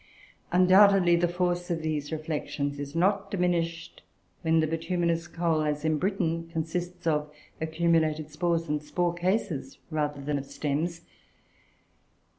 Undoubtedly the force of these reflections is not diminished when the bituminous coal, as in Britain, consists of accumulated spores and spore cases, rather than of stems.